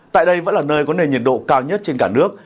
tại đây vẫn là nơi có nền nhiệt độ cao nhất trên cả nước